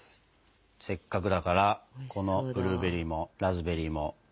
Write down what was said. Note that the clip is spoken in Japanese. せっかくだからこのブルーベリーもラズベリーも一緒にいただきたい。